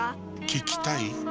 聞きたい？